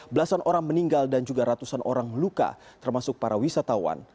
belasan orang meninggal dan juga ratusan orang luka termasuk para wisatawan